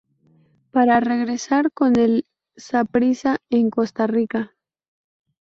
Para regresar con el Saprissa en Costa Rica.